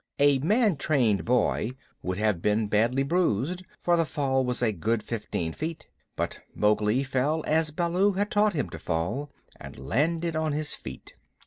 A man trained boy would have been badly bruised, for the fall was a good fifteen feet, but Mowgli fell as Baloo had taught him to fall, and landed on his feet.